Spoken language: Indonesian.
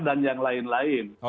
dan yang lain lain